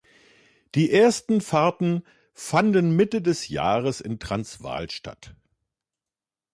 Die ersten Fahrten fanden Mitte des Jahres in Transvaal statt.